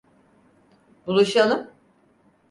Buluşalım.